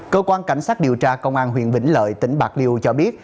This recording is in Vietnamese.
cơ quan cảnh sát điều tra công an huyện vĩnh lợi tỉnh bạc liêu cho biết